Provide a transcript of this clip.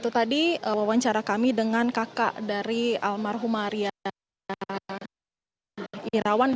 itu tadi wawancara kami dengan kakak dari almarhum maria irawan